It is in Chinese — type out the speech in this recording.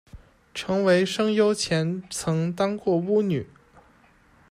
成为声优前曾当过巫女。